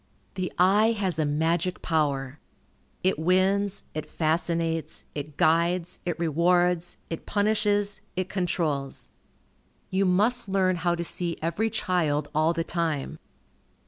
The eye has a magic power. It wins, it fascinates, it guides, it rewards, it punishes, it controls. You must learn how to see every child all the time.